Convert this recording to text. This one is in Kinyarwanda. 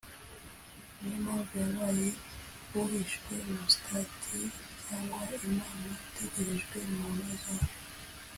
ni yo mpamvu yabaye uhishwe (mustatir) cyangwa ‘imām utegerejwe (muntaẓar)